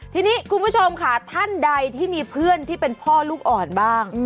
ทีนี้คุณผู้ชมค่ะท่านใดที่มีเพื่อนที่เป็นพ่อลูกอ่อนบ้าง